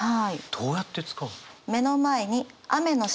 どうやって使うの？